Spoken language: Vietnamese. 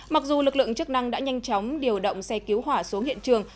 mặc dù lực lượng chức năng đã nhanh chóng điều động xe cứu hỏa xuống hiện trường